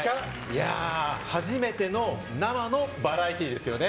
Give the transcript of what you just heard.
いやぁ、初めての生のバラエティですよね。